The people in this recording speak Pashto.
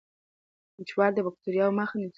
وچوالی د باکټریاوو مخه نیسي.